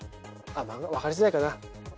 分かりづらいかな。